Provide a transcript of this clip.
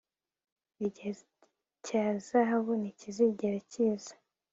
igihe cya zahabu ntikizigera kiza